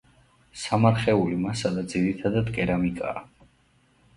სამარხეული მასალა ძირითადად კერამიკაა.